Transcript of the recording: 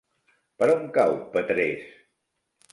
Per on cau Petrés?